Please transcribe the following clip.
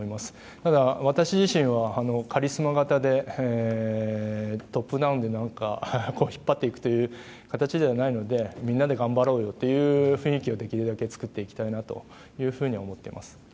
ただ、私自身はカリスマ型でトップダウンで引っ張っていくという形ではないのでみんなで頑張ろうという雰囲気はできるだけ作っていきたいなとは思っています。